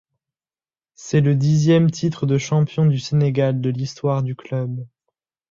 C'est le dixième titre de champion du Sénégal de l'histoire du club.